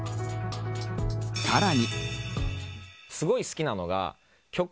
さらに。